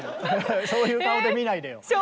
そういう顔で見ないでよ。